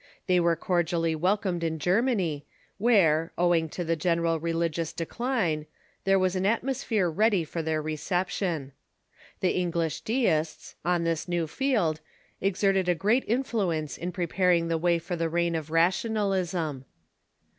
They were cordially welcomed in Germany, where, owing to ''1'^"!.°" ,® the general religious decline, there was an atmos phere ready for their reception. The English De ists, on this new field, exerted a great influence in preparing the way for the reign of Rationalism.